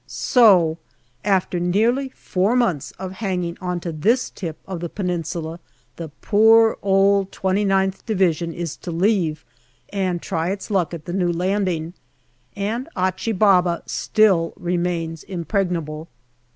So after nearly four months of hanging on to this tip of the Peninsula the poor old 2gth Division is to leave and try its luck at the new landing, and Achi Baba still remains impregnable.